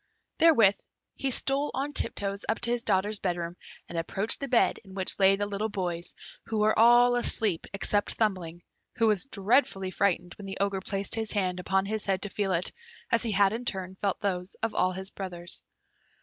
Therewith he stole on tiptoes up to his daughters' bed room, and approached the bed in which lay the little boys, who were all asleep except Thumbling, who was dreadfully frightened when the Ogre placed his hand upon his head to feel it, as he had in turn felt those of all his brothers.